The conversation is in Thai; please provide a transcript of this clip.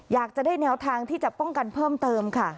อยากจะได้แนวทางที่จะป้องกันเพิ่มเติมค่ะ